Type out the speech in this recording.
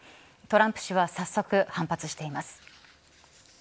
トランプ氏は早速反発しています。